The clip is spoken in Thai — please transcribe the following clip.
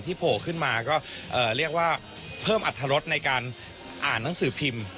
โผล่ขึ้นมาก็เรียกว่าเพิ่มอัตรรสในการอ่านหนังสือพิมพ์